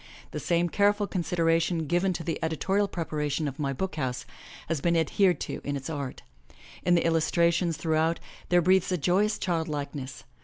The same careful consideration given to the editorial prepara tion of My BOOK HOUSE has been adhered to in its art. In the illustrations throughout there breathes a joyous childlikeness.